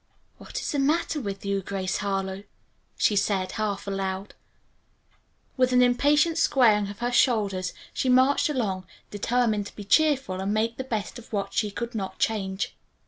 "What is the matter with you, Grace Harlowe?" she said half aloud. With an impatient squaring of her shoulders she marched along determined to be cheerful and make the best of what she could not change.